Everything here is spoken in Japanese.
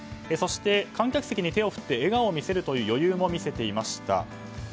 そして、観客席に手を振って笑顔を見せるという余裕も見せていました。